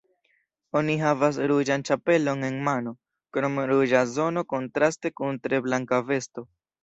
Oni havas ruĝan ĉapelon en mano, krom ruĝa zono kontraste kun tre blanka vesto.